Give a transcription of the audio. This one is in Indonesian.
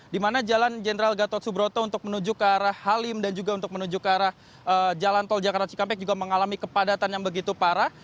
di mana jalan jenderal gatot subroto untuk menuju ke arah halim dan juga untuk menuju ke arah jalan tol jakarta cikampek juga mengalami kepadatan yang begitu parah